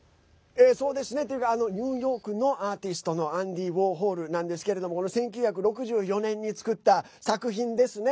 ニューヨークのアーティストのアンディ・ウォーホルなんですけれども１９６４年に作った作品ですね。